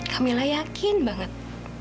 kamilah yakin banget